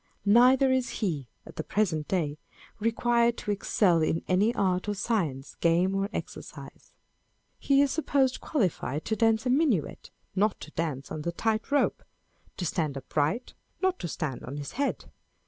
Neither is he (at the present day) required to excel in any art or science, game or exercise. He is supposed qualified to dance a minuet, not to dance on the tight rope â€" to stand upright, not to stand on his head.